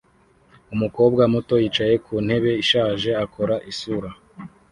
Umukobwa muto yicaye ku ntebe ishaje akora isura